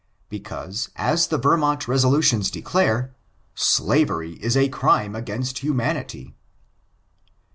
— ^because, as the Vermont resolutions declare, * Slavery is a crime against humanity